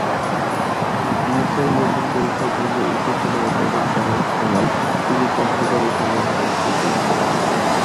Visual motion পরীক্ষার জন্য উদ্দীপনা উদ্ভাবন করার সময় তিনি কনফিগারেশনে হোঁচট খেয়ে পড়েন।